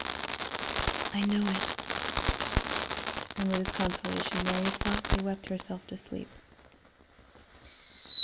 "I know it;" and with this consolation Mary softly wept herself to sleep.